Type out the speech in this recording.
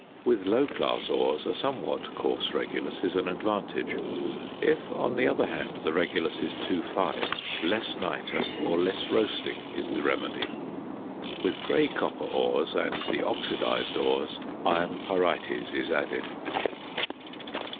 With low class ores a somewhat coarse regulus is an advantage. If, on the other hand, the regulus is too fine, less nitre or less roasting is the remedy. With grey copper ores and the oxidised ores, iron pyrites is added.